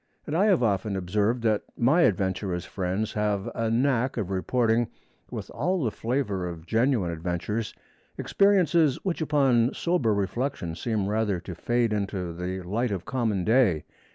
And I have often observed that my adventurous friends have a knack of reporting with all the flavor of genuine adventures, experiences which upon sober reflection seem rather to fade into the light of common day.